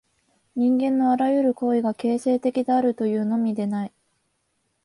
人間のあらゆる行為が形成的であるというのみでない。